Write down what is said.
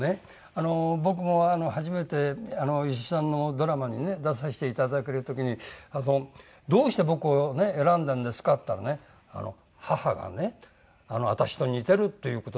あの僕も初めて石井さんのドラマにね出させていただける時に「どうして僕を選んだんですか？」って言ったらね「母がね私と似てるっていう事で」って。